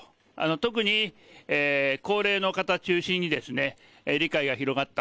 特に高齢の方中心に理解が広がった。